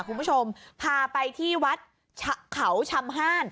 คุณผู้ชมพาไปที่วัดเขาชำห้าน